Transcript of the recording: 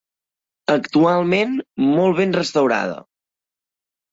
Actualment molt ben restaurada.